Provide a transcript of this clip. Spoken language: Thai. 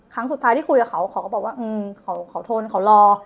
ครั้งสุดท้ายที่คุยกับเขาเขาก็บอกว่าเขาทนเขารอ